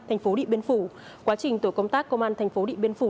thành phố điện biên phủ quá trình tổ công tác công an thành phố điện biên phủ